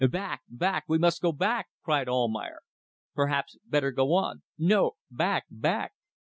"Back! back! We must go back!" cried Almayer. "Perhaps better go on." "No; back! back!"